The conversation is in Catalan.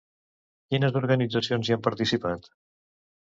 Quines organitzacions hi han participat?